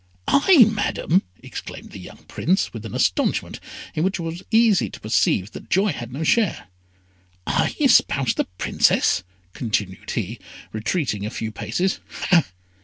"I, Madam!" exclaimed the young Prince, with an astonishment in which it was easy to perceive that joy had no share, "I espouse the Princess," continued he, retreating a few paces.